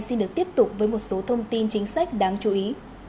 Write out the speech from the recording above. xin được tiếp tục với một số thông tin chính sách đáng chú ý